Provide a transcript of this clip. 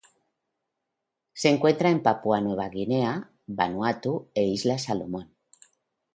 Se encuentra en Papúa Nueva Guinea, Vanuatu e Islas Salomón.